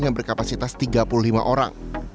yang berkapasitas tiga puluh lima orang